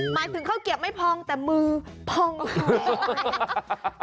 หมายถึงข้าวเกียบไม่พองแต่มือพองค่ะ